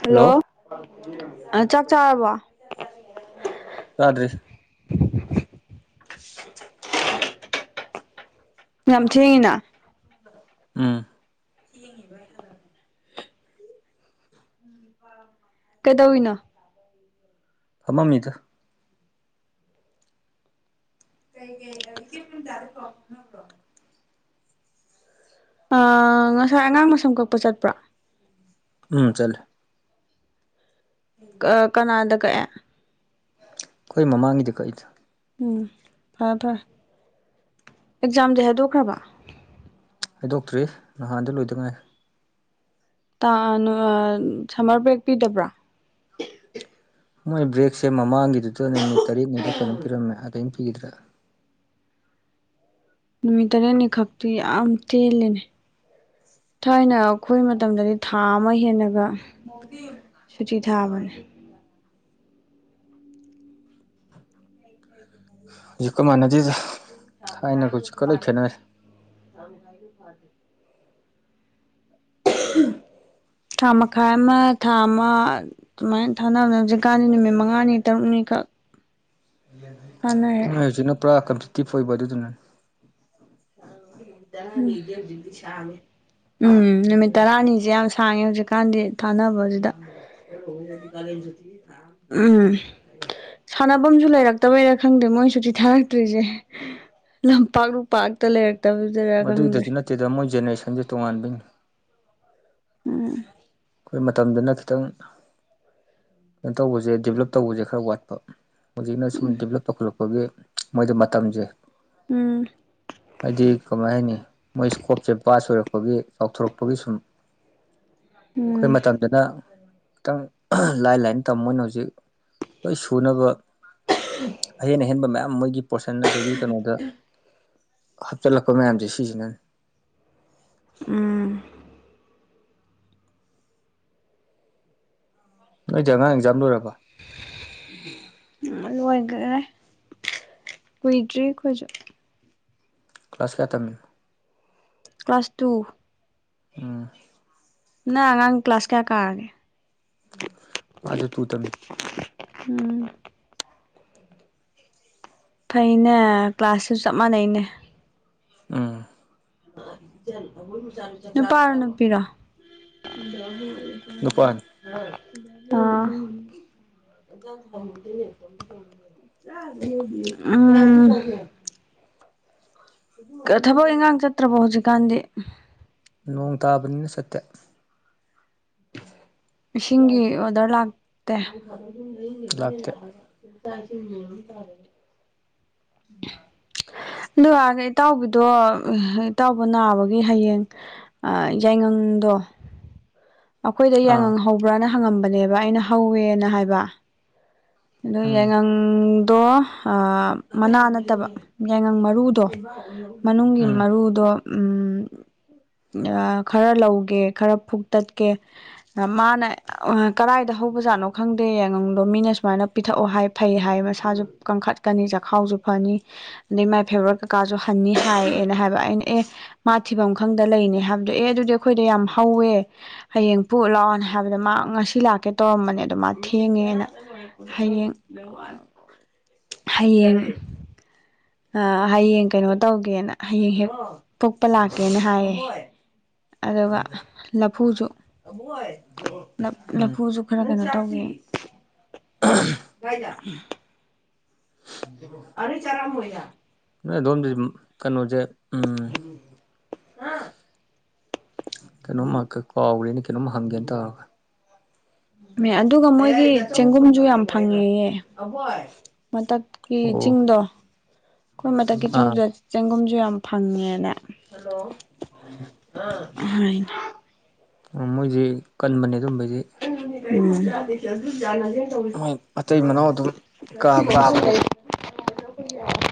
hello ꯑꯥ ꯆꯥꯛ ꯆꯥꯔꯕꯣ ꯆꯥꯗ꯭ꯔꯤ ꯌꯥꯝ ꯊꯦꯡꯉꯤꯅ ꯎꯝ ꯊꯦꯡꯉꯤꯕ ꯍꯜꯂꯗꯤ ꯎꯝꯔ [unintelligible] ꯀꯩꯗꯧꯋꯤꯅꯣ ꯐꯃꯝꯃꯤꯗ ꯀꯩ ꯀꯩ ꯑꯥ ꯏꯆꯦ ꯄꯔꯦꯃꯤꯇꯥꯗꯣ ꯄꯥꯎ ꯐꯥꯎꯅꯕ꯭ꯔꯣ ꯑꯥ ꯉꯁꯥꯏ ꯑꯉꯥꯡ ꯃꯁꯝ ꯀꯛꯄ ꯆꯠꯄ꯭ꯔꯥ ꯎꯝ ꯆꯂꯦ ꯀꯅꯥꯗ ꯀꯛꯑꯦ ꯈꯣꯏ ꯃꯃꯥꯡꯒꯤꯗ ꯀꯛꯏꯗ ꯎꯝ ꯐꯔꯦ ꯐꯔꯦ ꯑꯦꯛꯖꯥꯝꯗꯤ ꯍꯥꯏꯗꯣꯛꯈ꯭ꯔꯕ ꯍꯥꯏꯗꯣꯛꯇ꯭ꯔꯤ ꯅꯍꯥꯟꯗ ꯂꯣꯏꯗꯉꯥꯏ ꯁꯝꯃꯔ ꯕ꯭ꯔꯦꯛ ꯄꯤꯗꯕ꯭ꯔꯥ ꯃꯣꯏ ꯕꯦꯛꯁꯦ ꯃꯃꯥꯡꯒꯤꯗꯨꯗ ꯅꯨꯃꯤꯠ ꯇꯔꯦꯠꯅꯤꯗ ꯀꯩꯅꯣ ꯄꯤꯔꯝꯃꯦ ꯑꯗꯨꯩꯅ ꯄꯤꯈꯤꯗ꯭ꯔꯥ ꯅꯨꯃꯤꯠ ꯇꯔꯦꯠꯅꯤ ꯈꯛꯇꯤ ꯌꯥꯝ ꯇꯦꯜꯂꯦꯅꯦ ꯊꯥꯏꯅ ꯑꯩꯈꯣꯏ ꯃꯇꯝꯗꯗꯤ ꯊꯥ ꯑꯃ ꯍꯦꯜꯂꯒ ꯁꯨꯇꯤ ꯊꯥꯕꯅꯦ ꯍꯧꯖꯤꯛꯀ ꯃꯥꯟꯅꯗꯦꯗ ꯊꯥꯏꯅꯖꯤꯛꯀ ꯂꯣꯏ ꯈꯦꯠꯅꯔꯦ ꯇ ꯍꯥꯏꯥꯏꯅ ꯐꯥꯗꯦ ꯊꯥ ꯃꯈꯥꯏ ꯑꯃ ꯊꯥ ꯑꯃ ꯑꯗꯨꯨꯃꯥꯏꯅ ꯊꯥꯅꯕ ꯍꯧꯖꯤꯀꯥꯟꯗꯤ ꯅꯨꯃꯤꯠ ꯃꯉꯥꯅꯤ ꯇꯔꯨꯛꯅꯤꯈꯛ ꯊꯥꯅꯔꯦ ꯎ ꯍꯧꯖꯤꯛꯅ ꯄꯨꯔꯥ ꯀꯝꯁꯤꯛꯇꯤ ꯐꯣꯏꯕ ꯑꯗꯨꯗꯨꯅ ꯎꯝ ꯇꯔꯥꯅꯤꯁꯦ ꯌꯥꯝ ꯁꯥꯡꯉꯦ ꯍꯧꯖꯤꯛꯀꯥꯟꯗꯤ ꯊꯥꯅꯕꯗꯨꯗ ꯎꯝ ꯁꯥꯟꯅꯐꯝꯁꯨ ꯂꯩꯔꯛꯇꯕꯩꯔꯥ ꯈꯪꯗꯦ ꯃꯣꯏꯁꯨ ꯆꯤꯊꯔꯛꯇ꯭ꯔꯤꯁꯦ ꯂ ꯄꯥ ꯄꯇ ꯂꯩꯦꯔꯥꯛꯛꯇꯕ ꯃꯗꯨꯏꯗꯁꯨ ꯅꯠꯇꯦꯗ ꯃꯣꯏ ꯖꯦꯅꯦꯔꯦꯁꯟꯁꯦ ꯇꯣꯉꯥꯟꯕꯒꯤꯅꯤ ꯎꯝ ꯑꯩꯈꯣꯏ ꯃꯇꯝꯗꯨꯅ ꯈꯤꯇꯪ ꯀꯩꯅꯣ ꯇꯧꯕꯁꯦ ꯗꯦꯕꯂꯞ ꯇꯧꯕꯁꯦ ꯈꯔ ꯋꯥꯠꯄ ꯍꯧꯖꯤꯛꯅ ꯁꯨꯝ ꯗꯤꯕꯂꯞ ꯄꯨꯧꯈꯠꯂꯛꯄꯒꯤ ꯃꯣꯏꯗ ꯃꯇꯝꯁꯦ ꯎꯝ ꯍꯥꯏꯗꯤ ꯀꯃꯥꯏ ꯍꯥꯏꯅꯤ ꯃꯣꯏ ꯏꯁꯀꯣꯞꯁꯦ ꯄꯥꯁ ꯑꯣꯏꯔꯛꯄꯒꯤ ꯂꯥꯎꯊꯣꯔꯛꯄꯒꯤ ꯁꯨꯝ ꯑꯩꯈꯣꯏ ꯃꯇꯝꯁꯤꯅ ꯈꯤꯇꯪ ꯂꯥꯏ ꯂꯥꯏ ꯃꯣꯏ ꯍꯧ ꯁꯨ ꯑꯍ ꯑꯍꯦꯟꯕ ꯃꯌꯥꯝ ꯃ ꯄꯣꯔꯁꯟ ꯑꯗꯒꯤ ꯀꯩꯅꯣꯗ ꯍꯥꯞꯆꯤꯜꯂꯛꯄ ꯃꯌꯥꯝꯁꯦ ꯁꯤꯁꯤꯅꯅꯤ ꯎꯝ ꯅꯣꯏꯁꯦ ꯑꯉꯥꯡ ꯑꯦꯛꯖꯥꯝ ꯂꯣꯏꯔꯕ ꯎ ꯂꯣꯏꯈꯔꯦ ꯀꯨꯏꯗ꯭ꯔꯤ ꯑꯩꯈꯣꯏꯁꯨ ꯀ꯭ꯂꯥꯁ ꯀꯦ ꯇꯃꯤ ꯀ꯭ꯂꯥꯁ ꯇꯨ ꯎꯝ ꯅꯪ ꯑꯉꯥꯡ ꯀ꯭ꯂꯥꯁ ꯀꯌꯥ ꯀꯛꯑꯒꯦ ꯑꯥꯖꯣ ꯇꯨ ꯇꯅꯤ ꯎꯝ ꯐꯅꯦ ꯀ꯭ꯂꯥꯁꯁꯨꯁꯨ ꯆꯞ ꯃꯥꯟꯅꯩꯅꯦ ꯎꯝ ꯅꯨꯄꯥꯔꯣ ꯅꯨꯄꯤꯔꯣ ꯅꯨꯄꯥꯅꯤ ꯑꯥ ꯎꯝ ꯊꯕꯛ ꯏꯟꯈꯥꯡ ꯆꯠꯇ꯭ꯔꯕꯣ ꯍꯧꯖꯤꯛꯀꯥꯟꯗꯤ ꯅꯣꯡ ꯇꯥꯕꯅꯤꯅ ꯆꯠꯇꯦ ꯏꯁꯤꯡꯒꯤ ꯑꯣꯗꯔ ꯂꯥꯛꯇꯦ ꯂꯥꯛꯇꯦ ꯇꯥꯁꯤ ꯇꯔꯦ ꯎꯝ ꯍ ꯑꯗꯨ ꯏꯇꯥꯎꯕꯤꯗꯣ ꯏꯇꯥꯎꯕ ꯅꯥꯕꯒꯤ ꯍꯌꯦꯡ ꯌꯥꯏꯉꯪꯗꯣ ꯑꯩꯈꯣꯏꯗ ꯑꯥ ꯌꯥꯏꯉꯪꯍꯧꯕ꯭ꯔꯅ ꯍꯪꯉꯝꯕꯅꯦꯕ ꯑꯩꯅ ꯍꯧꯋꯦꯅ ꯍꯥꯏꯕ ꯑꯣ ꯎꯝ ꯌꯥꯏꯉꯪꯗꯣ ꯃꯅꯥ ꯅꯠꯇꯕ ꯌꯥꯏꯉꯪ ꯃꯔꯨꯗꯣ ꯃꯅꯨꯡꯒꯤ ꯎꯝ ꯃꯔꯨꯗꯣ ꯎ ꯈꯔ ꯂꯧꯒꯦ ꯈꯔ ꯐꯨꯛꯇꯠꯀꯦ ꯃꯥꯅ ꯀꯗꯥꯏꯗ ꯍꯧꯕꯖꯥꯠꯅꯣ ꯈꯪꯗꯦ ꯌꯥꯉꯪꯗꯣ ꯃꯤꯅ ꯁꯨꯃꯥꯏꯅ ꯄꯤꯊꯛꯑꯣ ꯍꯥꯏ ꯐꯩ ꯍꯥꯏ ꯃꯁꯥꯁꯨ ꯀꯟꯈꯠꯀꯅꯤ ꯆꯈꯥꯎꯁꯨ ꯐꯅꯤ ꯑꯗꯩ ꯃꯥꯏ ꯐꯦꯕꯚꯣꯔꯥꯏꯠ ꯀꯀꯥꯁꯨ ꯍꯟꯅꯤ ꯍꯥꯏꯌꯦꯅ ꯍꯥꯏꯕ ꯑꯩꯅ ꯑꯦ ꯃꯥ ꯊꯤꯐꯝ ꯈꯪꯗ ꯂꯩꯔꯤꯅ‌ꯦ ꯍꯥꯏꯕꯗꯣ ꯑꯦ ꯑꯗꯨꯗꯤ ꯑꯩꯈꯣꯏꯗ ꯌꯥꯝ ꯍꯧꯋꯦ ꯍꯌꯦꯡ ꯄꯨꯛꯑꯣ ꯂꯥꯛꯑꯣꯅ ꯍꯥꯏꯕꯗ ꯃꯥ ꯉꯁꯤ ꯂꯥꯛꯀꯦ ꯇꯧꯔꯝꯕꯅꯦ ꯑꯗꯣ ꯃꯥ ꯊꯦꯡꯉꯦꯅ ꯍꯌꯦꯡ ꯍꯌꯦꯡ ꯑ ꯍꯌꯦꯡ ꯀꯩꯅꯣ ꯇꯧꯒꯦꯅ ꯍꯌꯦꯡ ꯍꯦꯛ ꯇ‌ꯣꯞꯄ ꯂꯥꯛꯀꯦꯅ ꯍꯥꯏꯌꯦ ꯑꯗꯨꯒ ꯂꯐꯨꯁꯨ ꯎꯝ ꯂꯐꯨꯁꯨ ꯈꯔ ꯀꯩꯅꯣ ꯇꯧꯋ‌ꯦ ꯀꯥꯏꯗ ꯑꯗꯩ ꯆꯔꯥꯝꯃ‌ꯣꯏꯅ ꯅꯣꯏ ꯑꯗꯣꯝꯗꯤ ꯀꯩꯅꯣꯁꯦ ꯎꯝ ꯑꯥ ꯀꯩꯅꯣꯝꯃ ꯀꯥꯎꯈ꯭ꯔꯦꯅ ꯀꯩꯅꯣꯝꯃ ꯍꯪꯒꯦꯅ ꯇꯧꯔꯒ ꯑꯗꯨꯒ ꯃꯣꯏꯒꯤ ꯆꯦꯡꯒꯨꯝꯁꯨ ꯌꯥꯝ ꯐꯪꯉꯦꯌꯦ ꯃꯊꯛꯀꯤ ꯑꯣ ꯆꯤꯡꯗꯣ ꯑꯩꯈꯣꯏ ꯃꯊꯛꯀꯤ ꯑꯥ ꯆꯤꯡꯗꯨꯗ ꯆꯦꯡꯒꯨꯝꯁꯨ ꯌꯥꯝ ꯐꯪꯉꯦꯅꯥ ꯑ [unintelligible] ꯃꯣꯏꯖꯤ ꯀꯟꯕꯅꯦ ꯑꯗꯨꯝꯕꯖꯤ ꯎꯝ [unintelligible] ꯃꯣꯏ ꯃꯇꯩ ꯃꯅꯥꯎ ꯑꯗꯨꯝ [unintelligible] ꯀꯥꯕꯅꯤ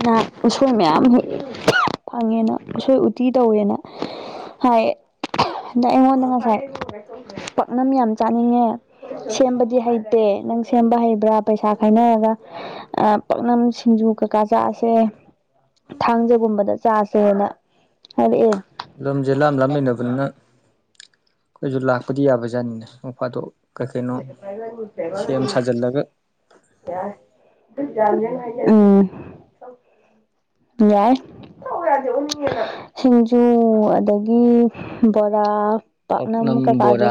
ꯍ ꯎꯁꯣꯏ ꯃꯌꯥꯝꯃꯨꯛ ꯐꯪꯉꯦꯅ ꯎꯁꯣꯏ ꯎꯇꯤ ꯇꯧꯋꯦꯅ ꯍꯥꯏ ꯑꯗ ꯑꯩꯉꯣꯟꯗ ꯉꯁꯥꯏ ꯄꯥꯛꯅꯝ ꯌꯥꯝ ꯆꯥꯅꯤꯡꯉꯦ ꯁꯦꯝꯕꯗꯤ ꯍꯩ ꯇꯦ ꯅꯪ ꯁꯦꯝꯕ ꯍꯩꯕ꯭ꯔꯥ ꯄꯩꯁꯥ ꯈꯥꯏꯅꯔꯒ ꯄꯥꯛꯅꯝ ꯁꯤꯡꯖꯨ ꯀꯀꯥ ꯆꯥꯥꯁꯦ ꯊꯥꯡꯖꯒꯨꯝꯕꯗ ꯆꯥꯁꯦꯅ ꯍꯥꯏꯔꯛꯑꯦ ꯂꯝꯁꯦ ꯂꯥꯞ ꯂꯥꯞ ꯂꯩꯅꯕꯅꯤꯅ ꯑꯩꯈꯣꯏꯁꯨ ꯂꯥꯛꯄꯗꯤ ꯌꯥꯕꯖꯥꯠꯅꯤꯅꯦ ꯅ‌ꯣꯡꯐꯗꯣꯛ ꯀꯩꯀꯩꯅꯣ ꯁꯦꯝ ꯁꯖꯜꯂꯒ [unintelligible] ꯑꯥ ꯌꯥꯏ ꯁꯤꯡꯖꯨ ꯑꯗꯒꯤ ꯕꯣꯔꯥ ꯄꯥꯛꯅꯝ ꯀꯩꯀꯥꯗ‌ꯣ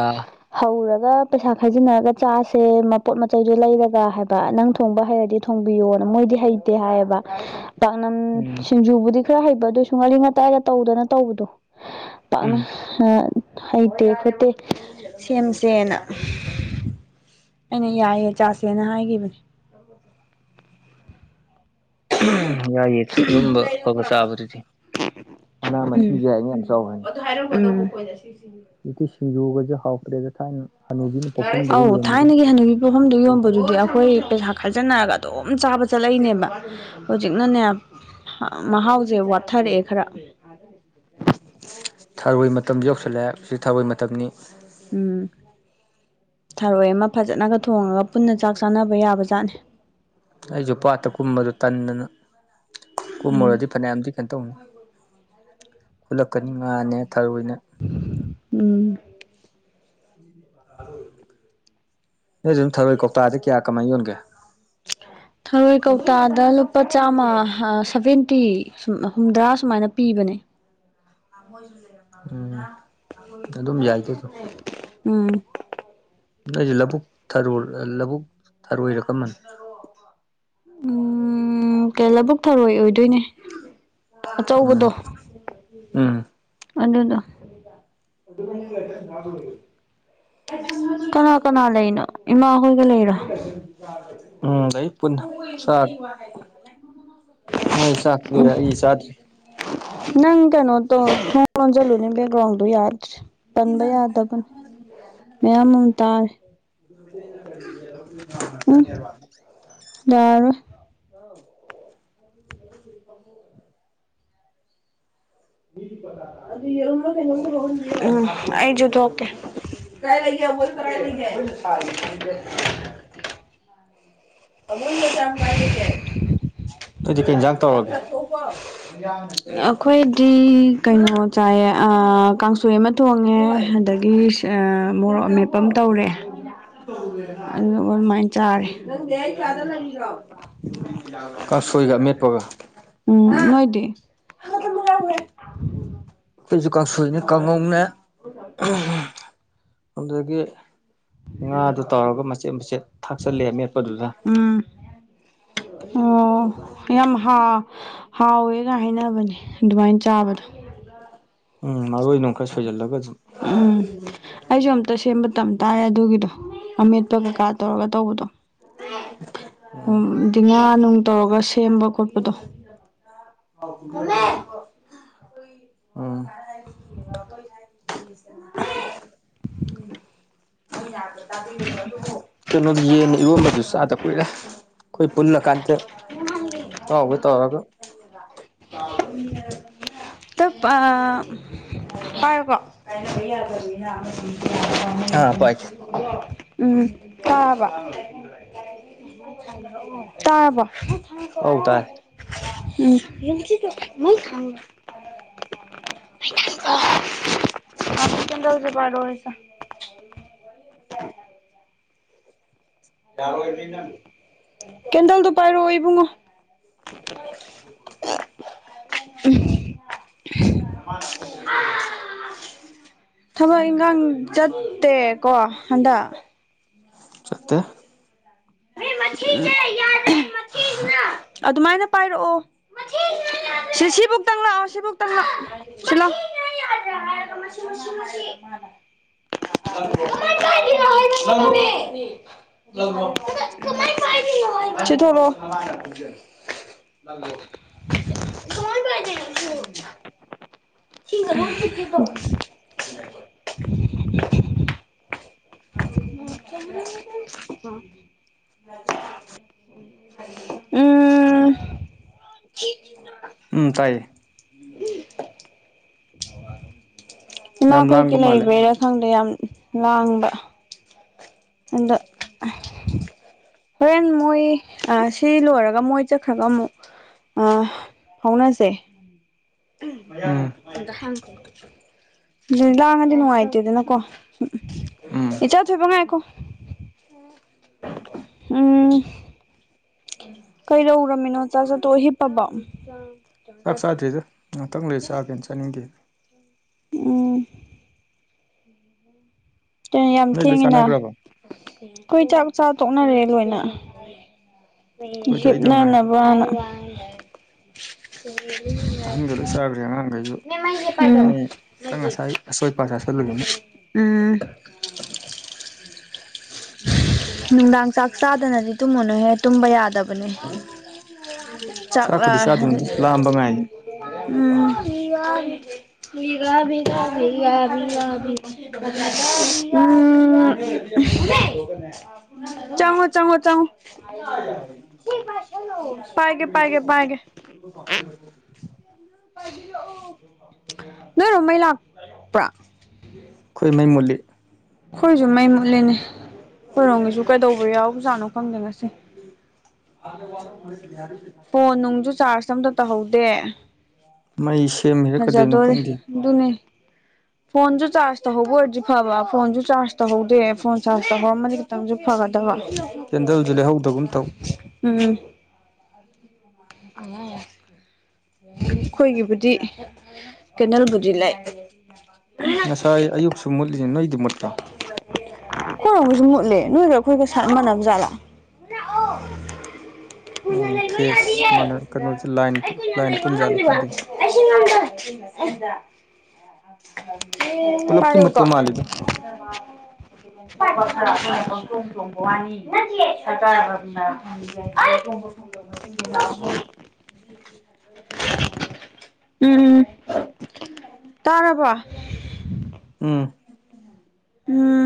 ꯍꯧꯔꯒ ꯄꯩꯁꯥ ꯈꯩꯖꯤꯟꯅꯔꯒ ꯆꯥꯁꯦ ꯃꯄꯣꯠ ꯃꯆꯩꯗꯣ ꯂꯩꯔꯒ ꯍꯥꯏꯕ ꯅꯪ ꯊꯣꯡꯕ ꯍꯩꯔꯗꯤ ꯊꯣꯡꯕꯤꯌꯣꯅ ꯃꯣꯏꯗꯤ ꯍꯩ ꯇ‌ꯦ ꯍꯥꯏꯌꯦꯕ ꯄꯥꯛꯅꯝ ꯎꯝ ꯁꯤꯡꯖꯨꯕꯨꯗꯤ ꯈꯔ ꯍꯩꯕ ꯑꯗꯨꯑꯣꯏꯁꯨ ꯉꯥꯔꯤ ꯉꯇꯥꯏꯒ ꯇꯧꯗꯅ ꯇꯧꯕꯗꯣ ꯄꯥꯛꯅ ꯎꯝ ꯍꯩꯇꯦ ꯈꯣꯠꯇꯦ ꯁꯦꯝꯁꯦꯅ ꯑꯩꯅ ꯌꯥꯏꯌꯦ ꯆꯥꯁꯦꯅ ꯍꯥꯏꯒꯤꯈꯤꯕꯅꯦ [unintelligible] ꯌꯥꯏꯌꯦ ꯑꯗꯨꯨꯝꯕ ꯑꯐꯕ ꯆꯥꯕꯗꯨꯗꯤ ꯃꯅꯥ ꯃꯁꯤꯡꯁꯨ ꯌꯥꯏꯅ ꯌꯥꯝ ꯆꯥꯎ ꯍꯥꯏ ꯎꯝ ꯖꯤꯛꯇꯤ ꯁꯤꯡꯖꯨꯒꯁꯦ ꯍꯥꯎꯇ꯭ꯔꯦꯗ ꯊꯥꯏꯅ ꯍꯅꯨꯕꯤꯅ ꯄꯣꯛꯐꯝꯗꯕ ꯑꯧ ꯌꯣꯟꯕꯗꯨꯅ ꯊꯥꯏꯅꯒꯤ ꯍꯅꯨꯕꯤ ꯄꯣꯐꯝꯗꯨ ꯌꯣꯟꯕꯗꯨꯗꯤ ꯑꯩꯈꯣꯏ ꯄꯩꯁꯥ ꯈꯥꯏꯖꯟꯅꯔꯒ ꯑꯗꯨꯝ ꯆꯥꯕ ꯆꯠꯂꯛꯏꯅꯦꯕ ꯍꯧꯖꯤꯛꯅꯅꯦ ꯃꯍꯥꯎꯁꯦ ꯋꯥꯠꯊꯔꯛꯑꯦ ꯈꯔ [unintelligible] ꯊꯔꯣꯏ ꯃꯇꯝ ꯌꯧꯁꯤꯜꯂꯛꯑꯦ ꯍꯧꯖꯤꯛ ꯊꯔꯣꯏ ꯃꯇꯝꯅꯤ ꯎꯝ ꯊꯔꯣꯏ ꯑꯃ ꯐꯖꯅꯒ ꯊꯣꯡꯉꯒ ꯄꯨꯟꯅ ꯆꯥꯛ ꯆꯥꯅꯕ ꯌꯥꯕ ꯖꯥꯠꯅꯤ ꯑꯩꯁꯨ ꯄꯥꯠꯇ ꯀꯨꯝꯕꯗꯨ ꯇꯟꯗꯅ ꯎꯝ ꯀꯨꯝꯃꯨꯔꯗꯤ ꯐꯅꯌꯥꯝꯗꯤ ꯀꯩꯅꯣꯇꯧꯅꯤ ꯈꯨꯠꯂꯛꯀꯅꯤ ꯉꯥꯅꯦ ꯊꯔ‌ꯣꯏꯅ‌ꯦ ꯎꯝ ꯅ‌ꯣꯏ ꯗ‌ꯣꯝ ꯊꯔꯣꯏ ꯀꯧꯇꯥꯗ ꯀꯌꯥ ꯀꯃꯥꯏꯅ ꯌꯣꯟꯒꯦ [unintelligible] ꯊꯔꯣꯏ ꯀꯧꯇꯥꯗ ꯂꯨꯄꯥ ꯆꯥꯝꯃ ꯁꯕꯦꯟꯇꯤ ꯍꯨꯝꯗ꯭ꯔꯥ ꯁꯨꯃꯥꯏꯅ ꯄꯤꯕꯅꯦ ꯑꯗꯨꯝ ꯌꯥꯏꯗ ꯎꯝ ꯑꯩꯁꯦ ꯂꯧꯕꯨꯛ ꯊꯥꯔꯣꯢ ꯂꯧꯕꯨꯛ ꯊꯔꯣꯏꯅ ꯀꯔꯝꯕꯅꯣ ꯎꯝ ꯂꯧꯕꯨꯛ ꯊꯧꯔꯣꯏ ꯑꯣꯏꯗꯣꯏꯅꯦ ꯑꯆꯧꯕꯗꯣ ꯎꯝ ꯎꯝ ꯑꯗꯨꯅ ꯀꯅꯥ ꯀꯅꯥ ꯂꯩꯩꯔꯤꯅꯣ ꯏꯃꯥꯈꯣꯏꯒ ꯂꯩꯔꯣ ꯎꯝ ꯂꯩ ꯄꯨꯟꯅ ꯆꯥꯔꯦ ꯍꯣꯏꯁ꯭ꯔꯤꯁꯇ꯭ꯔꯤ [inaudible] ꯅꯪ ꯀꯩꯅꯣ ꯗꯣ ꯊꯣꯡ ꯂꯣꯜꯁꯤꯟꯂꯣ ꯕꯦꯛꯀ꯭ꯂꯥꯎ ꯌꯥꯗꯔꯦ ꯄꯟꯕ ꯌꯥꯗꯕꯅꯦ ꯃꯌꯥꯝ ꯑꯃ ꯇꯥꯔꯦ ꯅꯤꯕꯥ [inaudible] ꯌꯥꯔꯔꯣꯢ ꯎꯝ ꯑꯩꯖꯨ ꯊꯣꯛꯒꯦ ꯇ ꯂꯩ ꯇ ꯍ [inaudible] ꯑꯃꯣꯟ ꯀꯁ ꯑꯃ ꯀꯥꯏ ꯂꯩꯦꯇꯦ [inaudible] ꯅꯣꯢꯗꯤ ꯀꯩ ꯌꯦꯟꯖꯥꯡ ꯇꯧꯔꯒꯦ ꯑꯥ ꯑꯩꯈꯣꯏꯗꯤ ꯀꯩꯅꯣ ꯆꯥꯏ ꯀꯥꯡ ꯊꯥꯔꯣꯢꯏ ꯑꯃ ꯊꯣꯡꯉꯦ ꯑꯗꯒꯤ ꯃꯣꯔꯣꯛ ꯃꯦꯠꯄ ꯄ ꯇꯧꯔꯦ ꯑꯗꯨꯒ ꯑꯗꯨꯃꯥꯏꯅ ꯆꯥꯔꯦ ꯑꯅ ꯏꯔꯑꯣ [inaudible] ꯑꯁꯣꯏꯒ ꯑꯃꯦꯠꯄꯒ ꯎꯝ ꯅꯣꯏꯗꯤ ꯑꯩꯈꯣꯢꯁꯨ ꯀꯥꯡꯁꯣꯏꯅꯦ ꯀꯥꯡꯉꯧꯅꯦ ꯑꯗꯒꯤ ꯉꯥꯗꯨ ꯇꯧꯔꯒ ꯃꯆꯦꯠ ꯃꯆꯦꯠ ꯊꯥꯛꯆꯜꯂꯦ ꯃꯦꯠꯄꯗꯨꯗ ꯎꯝ ꯑꯣ ꯌꯥꯝ ꯍꯥꯥ ꯍꯥꯎꯋꯦꯒ ꯍꯥꯏꯅꯕꯅꯦ ꯑꯗꯨꯃꯥꯏꯅ ꯆꯥꯕꯗꯣ ꯎꯝ ꯃꯔꯣꯏ ꯅꯨ ꯈꯔ ꯁꯣꯏꯖꯜꯂꯒ ꯑꯗꯨꯝ ꯎꯝ ꯑꯩꯁꯨ ꯑꯝꯇ ꯁꯦꯝꯕ ꯇꯝꯇꯥꯏꯔꯦ ꯑꯗꯨꯒꯤꯗꯣ ꯑꯃꯦꯠ ꯀꯀꯥ ꯇꯧꯔꯒ ꯇꯧꯕꯗꯣ ꯎ ꯗꯤ ꯉꯥ ꯅꯨꯡ ꯇꯧꯔꯒ ꯁꯦꯝꯕ ꯈꯣꯠꯄꯗꯣ ꯍꯥꯎ [inaudible] [inaudible] ꯀꯩꯅꯣꯗꯤ ꯌꯦꯟꯅꯤ ꯏꯔꯣꯟꯕꯁꯨ ꯆꯥꯗ ꯀꯨꯏꯔꯦ ꯑꯩꯈꯣꯏ ꯄꯨꯜꯂ ꯀꯥꯟꯗ ꯢꯇꯧꯍꯣꯢ ꯇꯧꯔꯒ ꯎ [inaudible] ꯇꯞ ꯄꯥꯏꯣꯀꯣ [inaudible] ꯍꯥ ꯄꯥꯏꯒꯦ ꯎꯝ ꯀꯥꯕ [inaudible] ꯇꯥꯔꯕꯣ ꯑꯧ ꯇꯥꯔꯦ ꯌ [inaudible] ꯑ ꯀꯗ ꯍꯧꯦ ꯄꯔ ꯑꯣꯏꯁ [inaudible] ꯀꯦꯟꯗꯜꯗꯣ ꯄꯥꯏꯔꯛꯑꯣ ꯏꯕꯨꯡꯉꯣ [inaudible] [unintelligible] ꯊꯕꯛ ꯏꯪꯈꯥꯡ ꯆꯠꯇꯦꯀꯣ ꯍꯟꯗꯛ ꯆꯠꯇꯦ [unintelligible] ꯑꯗꯨꯃꯥꯏꯅ ꯄꯥꯏꯔꯛꯑꯣ ꯁꯤ ꯁꯤꯕꯨ ꯇꯪꯪꯂꯛꯑꯣ ꯁꯤꯕꯨ ꯇꯪꯪꯂꯛꯑꯣ [unintelligible] [unintelligible] ꯁꯤ ꯊꯣꯛꯂꯛ ꯑꯣ [unintelligible] [unintelligible] [unintelligible] [unintelligible] ꯎꯝ ꯎꯝ ꯇꯥꯏꯌꯦ ꯏꯃꯥꯥ ꯌꯥꯝ ꯂꯥꯡꯕ ꯀꯣꯏ ꯃꯥꯜꯂꯦ ꯂꯩꯕꯩꯔꯥ ꯈꯪꯗ ꯌꯥꯝ ꯂꯥꯡꯕ ꯑꯗꯣ ꯍꯣꯔꯦꯟ ꯃꯣꯏ ꯁꯤ ꯂꯣꯏꯔꯒ ꯃꯣꯏ ꯆꯠꯈ꯭ꯔꯒ ꯑꯃꯨꯛ ꯐꯥꯎꯅꯁꯦ ꯎꯝ ꯑꯗꯨꯗꯤ ꯂꯥꯡꯉꯗꯤ ꯅꯨꯡꯉꯥꯏꯇꯦꯗꯅꯀꯣ ꯎꯝ ꯎꯝ ꯏꯆꯥ ꯊꯣꯏꯕ ꯉꯥꯏꯀꯣ ꯎꯝ ꯀꯩꯗꯧꯔꯝꯃꯤꯅꯣ ꯆꯥꯛꯆꯥ ꯆꯥꯠꯇꯣꯛ ꯍꯤꯞꯄꯕ ꯆꯥꯛ ꯆꯥꯗ꯭ꯔꯤꯗ ꯉꯥꯛꯇꯪ ꯂꯩ ꯆꯥꯒꯦꯅ ꯆꯥꯅꯤꯡꯗꯦ ꯎꯝ ꯌꯥꯝ ꯅꯣꯏ ꯂꯣꯏ ꯊꯦꯡꯉꯤꯅ ꯆꯥꯅꯈ꯭ꯔꯕꯣ ꯑꯩꯈꯣꯏ ꯆꯥꯛ ꯆꯥ ꯇꯣꯛꯅꯔꯦ ꯂꯣꯏꯅ ꯑꯩꯈꯣꯏꯗꯤ ꯑꯩꯗ ꯉꯥꯏꯔꯦ ꯍꯤꯞꯅꯅꯕꯅ [unintelligible] ꯑꯍꯟꯒ ꯂꯣꯏ ꯆꯥꯈ꯭ꯔꯦ ꯑꯉꯥꯡꯈꯩ ꯑꯁꯣꯏ ꯑꯄꯥ ꯆꯥꯁꯤꯜꯂꯨꯕꯅꯤꯅ ꯎꯝ ꯅꯨꯡꯗꯥꯡ ꯆꯥꯛ ꯆꯥꯗꯅꯗꯤ ꯇꯨꯝꯃꯨꯅꯨꯍꯦ ꯇꯨꯝꯕ ꯌꯥꯗꯕꯅꯤ ꯆꯥꯛꯂ ꯆꯥꯛꯄꯨꯗꯤ ꯆꯥꯗꯣꯏꯅꯤ ꯂꯥꯝꯕ ꯉꯥꯏꯔꯤ ꯎꯝ ꯎꯝ [unintelligible] ꯆꯉꯣ ꯆꯉꯣ ꯆꯉꯣ ꯄꯥꯏꯒꯦ ꯄꯥꯏꯒꯦ ꯄꯥꯏꯒꯦ [unintelligible] ꯅꯣꯏꯔꯣ ꯃꯩ ꯂꯥꯛꯄ꯭ꯔꯥ ꯑꯩꯈꯣꯏ ꯃꯩ ꯃꯨꯠꯂꯤ ꯑꯩꯈꯣꯏꯁꯨ ꯃꯩ ꯃꯨꯠꯂꯤꯅꯦ ꯑꯩꯈꯣꯏꯔꯣꯝꯒꯤꯁꯨ ꯀꯩꯗꯧꯕ ꯌꯥꯎꯖꯥꯠꯅꯣ ꯈꯪꯗꯦ ꯉꯁꯤ ꯐꯣꯟ ꯅꯨꯡꯁꯨ ꯆꯥꯔꯖ ꯑꯝꯇꯥ ꯇꯧꯍꯧꯗꯦ ꯃꯩ ꯁꯦꯝꯃꯤꯔ ꯀꯩꯗꯣꯏꯅꯣ ꯐꯖꯗꯣꯔꯦ ꯈꯪꯗꯦ ꯑꯗꯨꯅꯤ ꯐꯣꯟꯁꯨ ꯆꯥꯔꯖ ꯇꯧꯍꯧꯕ ꯑꯣꯏꯔꯗꯤ ꯐꯕ ꯐꯣꯟꯁꯨ ꯆꯥꯔꯖ ꯇꯧꯍꯧꯗꯦ ꯐꯣꯟ ꯆꯥꯔꯖ ꯇꯧꯍꯧꯔꯝꯃꯗꯤ ꯈꯤꯇꯪꯁꯨ ꯐꯒꯗꯕ ꯀꯦꯟꯗꯜꯁꯨ ꯂꯩꯍꯧꯗꯒꯨꯝ ꯇꯧ ꯎꯝ ꯑꯩꯈꯣꯏꯒꯤꯕꯨꯗꯤ ꯀꯦꯟꯗꯥꯜꯕꯨꯗꯤ ꯂꯩ [unintelligible] ꯉꯁꯥꯏ ꯑꯌꯨꯛꯁꯨ ꯃꯨꯠꯂꯤ ꯅꯣꯏ ꯀꯣꯏꯒꯁꯨ ꯃꯨꯠꯂꯦ ꯅꯣꯏꯒ ꯑꯩꯈꯣꯏꯒ ꯃꯥꯟꯅꯕ ꯖꯥꯠꯂꯥ ꯀꯨꯅ ꯎꯝ ꯂꯩꯕ ꯌꯥꯔꯤꯌꯦ ꯐꯦꯁ ꯃꯥꯅ ꯀꯩꯅꯣꯁꯦ ꯂꯥꯏꯟ ꯑꯩ ꯀꯨꯏ ꯌꯥꯝ ꯂꯥꯏꯟ ꯂꯩꯕ ꯄꯨꯟꯖꯥꯠꯂ ꯉꯪꯗꯕ ꯈꯪꯗꯦ [unintelligible] ꯄꯨꯂꯞꯀꯤ ꯄꯥꯏꯑꯣꯀꯣ ꯃꯨꯠꯄ ꯃꯥꯜꯂꯤꯗ ꯈꯣꯡ ꯊꯣꯡꯕ ꯋꯥꯅꯤ ꯐꯅꯥ ꯎ ꯇꯥꯔꯕ ꯎꯝ ꯎꯝ